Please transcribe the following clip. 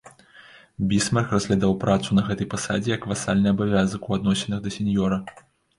Бісмарк разглядаў працу на гэтай пасадзе як васальны абавязак у адносінах да сеньёра.